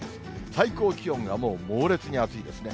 最高気温がもう猛烈に暑いですね。